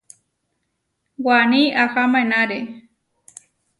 Waní aháma enáre.